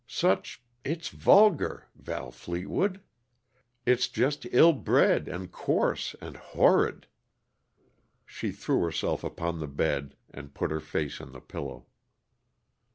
Such it's vulgar, Val Fleetwood! It's just ill bred, and coarse, and horrid!" She threw herself upon the bed and put her face in the pillow.